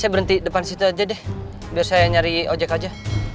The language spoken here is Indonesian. saya berhenti depan situ aja deh biar saya nyari ojek aja